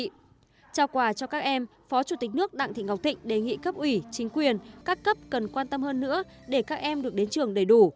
trao quà cho các em phó chủ tịch nước đặng thị ngọc thịnh đề nghị cấp ủy chính quyền các cấp cần quan tâm hơn nữa để các em được đến trường đầy đủ